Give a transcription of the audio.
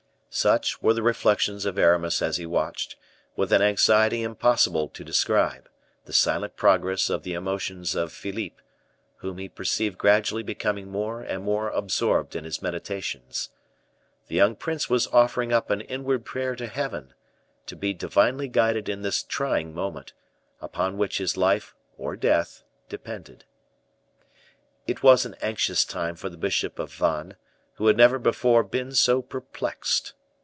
Such were the reflections of Aramis as he watched, with an anxiety impossible to describe, the silent progress of the emotions of Philippe, whom he perceived gradually becoming more and more absorbed in his meditations. The young prince was offering up an inward prayer to Heaven, to be divinely guided in this trying moment, upon which his life or death depended. It was an anxious time for the bishop of Vannes, who had never before been so perplexed.